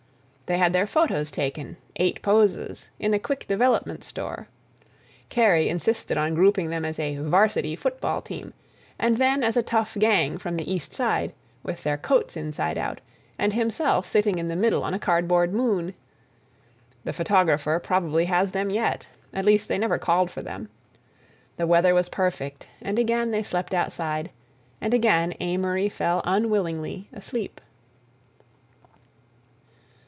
They had their photos taken, eight poses, in a quick development store. Kerry insisted on grouping them as a "varsity" football team, and then as a tough gang from the East Side, with their coats inside out, and himself sitting in the middle on a cardboard moon. The photographer probably has them yet—at least, they never called for them. The weather was perfect, and again they slept outside, and again Amory fell unwillingly asleep.